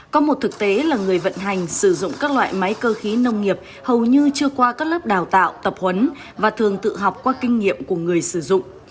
có một thực tế là người vận hành sử dụng các loại máy cơ khí nông nghiệp hầu như chưa qua các lớp đào tạo tập huấn và thường tự học qua kinh nghiệm của người sử dụng